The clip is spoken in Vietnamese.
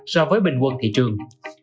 so với bình quân thị trường